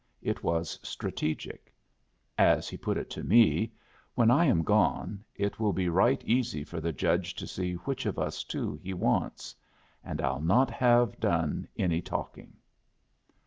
It was strategic. As he put it to me: "When I am gone, it will be right easy for the Judge to see which of us two he wants. And I'll not have done any talking."